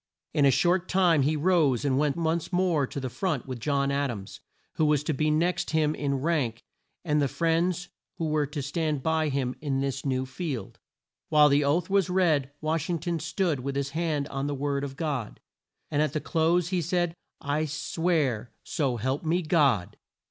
In a short time he rose and went once more to the front with John Ad ams, who was to be next him in rank, and the friends who were to stand by him in this new field. While the oath was read Wash ing ton stood with his hand on the Word of God, and at the close he said, "I swear so help me God!"